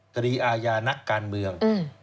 คดีอาญานักการเมือง